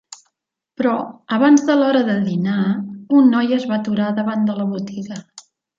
Però, abans de l'hora de dinar, un noi es va aturar davant de la botiga.